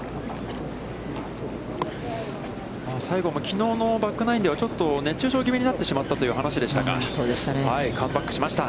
西郷もきのうのバックナインでは、ちょっと熱中症ぎみになったという話でしたか、カムバックしました。